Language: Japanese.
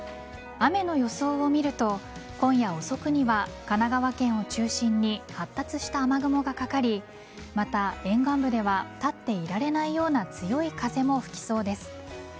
雨の予想を見ると今夜遅くには神奈川県を中心に発達した雨雲がかかりまた、沿岸部では立っていられないような強い風も吹きそうです。